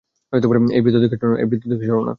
এই বৃত্ত থেকে সরো না।